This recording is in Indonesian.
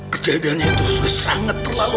kejadiannya itu sudah sangat terlalu